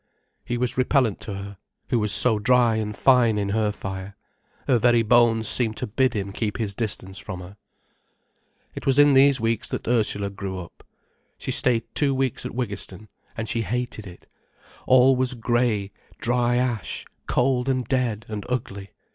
He was repellent to her, who was so dry and fine in her fire. Her very bones seemed to bid him keep his distance from her. It was in these weeks that Ursula grew up. She stayed two weeks at Wiggiston, and she hated it. All was grey, dry ash, cold and dead and ugly.